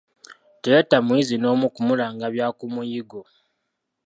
Teyatta muyizzi n'omu kumulanga bya ku muyiggo.